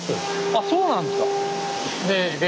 あっそうなんですか。